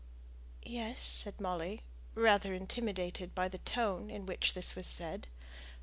"Yes," said Molly, rather intimidated by the tone in which this was said.